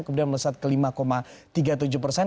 kemudian melesat ke lima tiga puluh tujuh persen